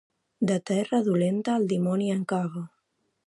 De terra dolenta, el dimoni en caga.